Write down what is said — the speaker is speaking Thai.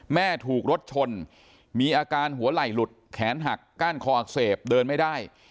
แม่ถูกรถชนมีอาการหัวไหล่หลุดแขนหักก้านคออักเสบเดินไม่ได้